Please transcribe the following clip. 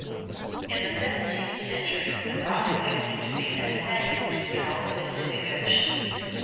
In the seventeenth century the prospect seemed to be that Spain would control the Pacific Ocean.